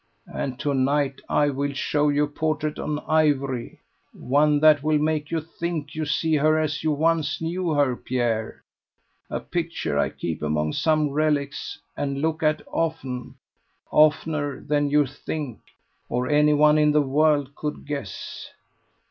"And to night I will show you a portrait on ivory, one that will make you think you see her as you once knew her, Pierre: a picture I keep among some relics, and look at often oftener than you think, or anyone in the world could guess.